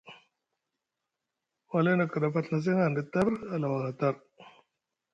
Won halay na kɗaf a Ɵina seŋ hanɗa tar a lawa aha tar.